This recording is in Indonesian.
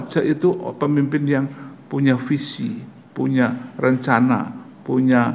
saya itu pemimpin yang punya visi punya rencana punya